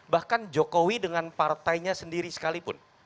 bahkan jokowi dengan partainya sendiri sekalipun